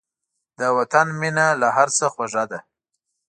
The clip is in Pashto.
د وطن مینه له هر څه خوږه ده.